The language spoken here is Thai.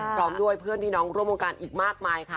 พร้อมด้วยเพื่อนพี่น้องร่วมวงการอีกมากมายค่ะ